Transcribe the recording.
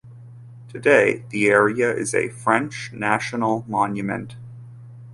Today, the area is a French national monument.